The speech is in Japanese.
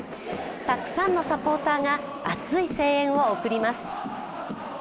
たくさんのサポーターが熱い声援を送ります。